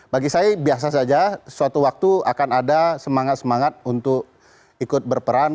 bagi saya biasa saja suatu waktu akan ada semangat semangat untuk ikut berperan